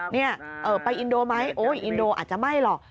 นี่ไปอินโดไหมโอ๊ยอินโดอาจจะไหม้หรอก